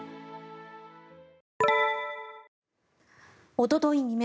おととい未明